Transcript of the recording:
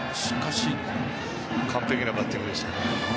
完璧なバッティングでした。